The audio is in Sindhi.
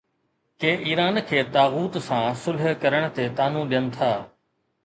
ڪي ايران کي طاغوت سان صلح ڪرڻ تي طعنو ڏين ٿا.